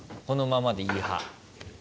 このままでいい派。